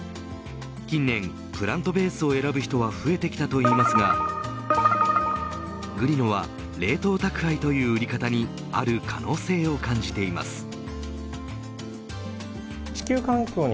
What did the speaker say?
近年プラントベースを選ぶ人は増えてきたといいますがＧｒｉｎｏは冷凍宅配という売り方にある可能性を感じています。